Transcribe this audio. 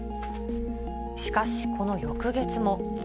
しかし、この翌月も。